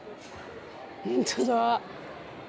本当だ。